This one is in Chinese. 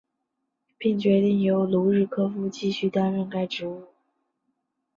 并决定由卢日科夫继续担任该职务。